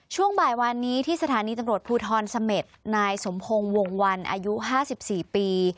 ช่วงบ่ายวานนี้ที่สถานีตำรวจภูทรเสม็ดนายสมพงศ์วงวันอายุ๕๔ปี